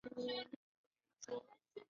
乾隆年间以内阁学士致仕。